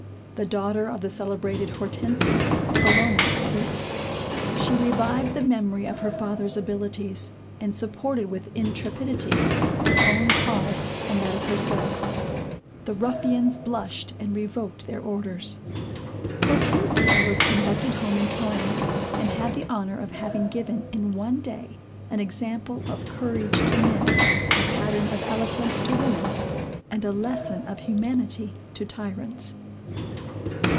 The daughter of the celebrated Hortensius alone appeared. She revived the memory of her father's abilities, and supported with intrepidity her own cause and that of her sex. The ruffians blushed and revoked their orders. Hortensia was conducted home in triumph, and had the honor of having given, in one day, an example of courage to men, a pattern of eloquence to women, and a lesson of humanity to tyrants.